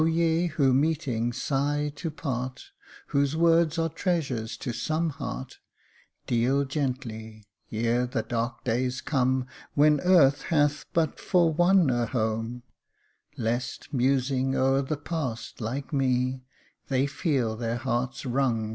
ye who, meeting, sigh to part, Whose words are treasures to some heart, Deal gently, ere the dark days come, When earth hath but for one a home ; Lest, musing o'er the past, like me, They feel their hearts wrung